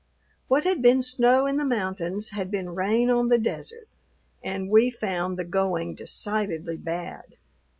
What had been snow in the mountains had been rain on the desert, and we found the going decidedly bad.